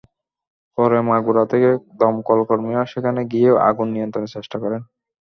পরে মাগুরা থেকে দমকল কর্মীরা সেখানে গিয়ে আগুন নিয়ন্ত্রণের চেষ্টা করেন।